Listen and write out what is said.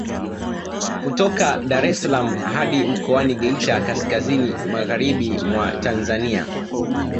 Kutoka Daressalaam hadi mkoani Geita kaskazini magharibi mwa Tanzania